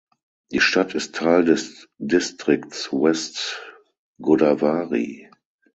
Die Stadt ist Teil des Distrikts West Godavari.